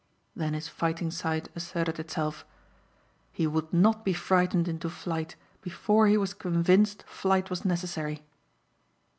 Then his fighting side asserted itself. He would not be frightened into flight before he was convinced flight was necessary.